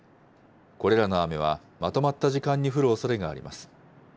これらの雨は、まとまった時間に降るおそれがあります。